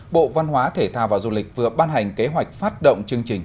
bộ văn hóa thể thao và du lịch vừa ban hành kế hoạch phát động chương trình